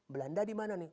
belanda dimana nih